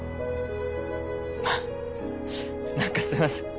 あっ何かすいません